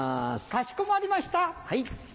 かしこまりました。